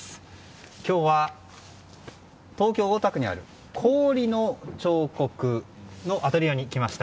今日は東京・大田区にある氷の彫刻のアトリエに来ました。